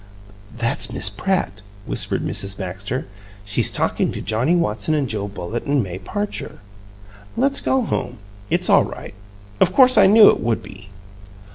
"That's Miss Pratt," whispered Mrs. Baxter. "She's talking to Johnnie Watson and Joe Bullitt and May Parcher. Let's go home; it's all right. Of course I knew it would be."